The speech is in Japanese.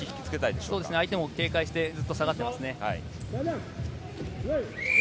相手も警戒して下がってますね。